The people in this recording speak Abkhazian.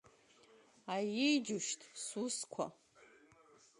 Аеи, џьушьҭ, сусқәа.